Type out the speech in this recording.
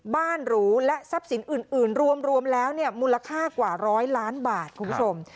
บ้านหรูและทรัพย์สินอื่นอื่นรวมรวมแล้วเนี้ยมูลค่ากว่าร้อยล้านบาทคุณผู้ชม